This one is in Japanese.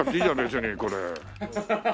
別にこれ。